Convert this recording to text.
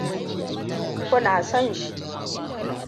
Kuna son shi.